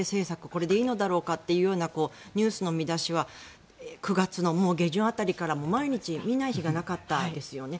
これでいいのだろうかというようなニュースの見出しは９月の下旬辺りから、毎日見ない日がなかったですよね。